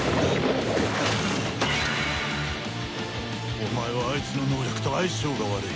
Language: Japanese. お前はあいつの能力と相性が悪い。